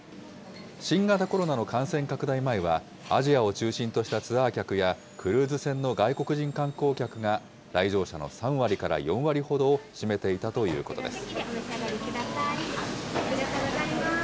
新型コロナの感染拡大前は、アジアを中心としたツアー客や、クルーズ船の外国人観光客が、来場者の３割から４割ほどを占めていたということです。